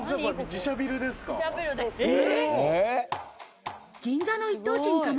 自社ビルですか？